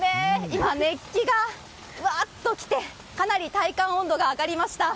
今、熱気が、わっと来てかなり体感温度が上がりました。